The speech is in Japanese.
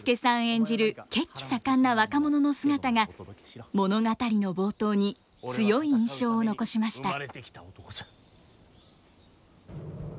演じる血気盛んな若者の姿が物語の冒頭に強い印象を残しました。